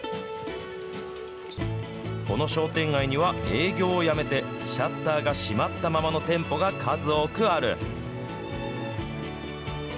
この商店街には営業をやめて、シャッターが閉まったままの店舗が数多くある。